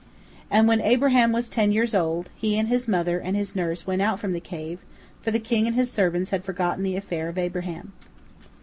And when Abraham was ten years old, he and his mother and his nurse went out from the cave, for the king and his servants had forgotten the affair of Abraham.